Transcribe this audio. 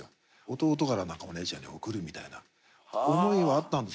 弟から何かお姉ちゃんに贈るみたいな思いはあったんですけど